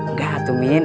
nggak tuh min